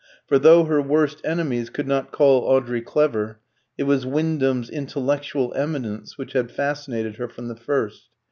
For though her worst enemies could not call Audrey clever, it was Wyndham's intellectual eminence which had fascinated her from the first.